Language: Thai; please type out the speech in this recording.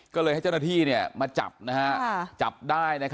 ก็เลยให้เจ้าหน้าที่มาจับจับได้